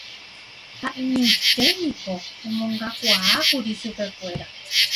Ha'eñoiténiko omongakuaákuri chupekuéra